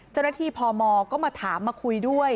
เจ้าหน้าที่พอหมอก็มาถามมาคุยด้วย